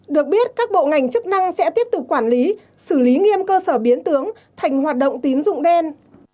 được biết các bộ ngành chức năng sẽ tiếp tục quản lý xử lý nghiêm cơ sở biến tướng thành hoạt động tín dụng đen